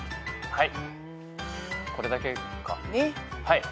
はい。